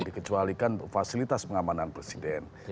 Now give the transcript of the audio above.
dikecualikan fasilitas pengamanan presiden